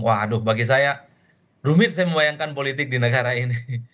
waduh bagi saya rumit saya membayangkan politik di negara ini